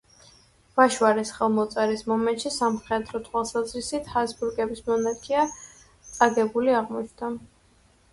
ვაშვარის ხელმოწერის მომენტში სამხედრო თვალსაზრისით ჰაბსბურგების მონარქია წაგებული აღმოჩნდა.